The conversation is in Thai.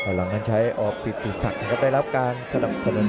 หลังนั้นใช้ออกปิดปิดสักก็ได้รับการสนับสนุนมากครับครับ